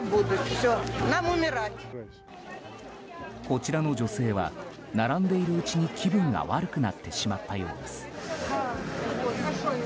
こちらの女性は並んでいるうちに気分が悪くなってしまったようです。